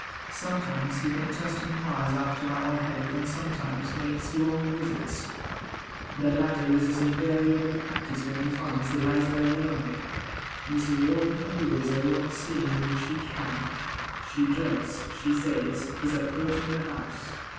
Sometimes he but just inquires after our health, and sometimes makes long visits. The latter is his invariable practice when he finds Eliza alone. Mrs. Wharton always avoids seeing him if she can. She dreads, she says, his approaching the house.